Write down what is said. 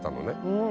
うん。